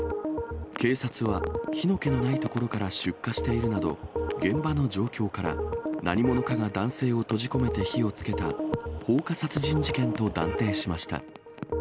警察は、火の気のない所から出火しているなど、現場の状況から、何者かが男性を閉じ込めて火をつけた放火殺人事件と断定しました。